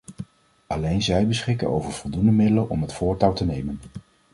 Alleen zij beschikken over voldoende middelen om het voortouw te nemen.